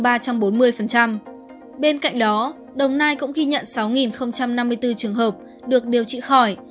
bên cạnh đó đồng nai cũng ghi nhận sáu năm mươi bốn trường hợp được điều trị khỏi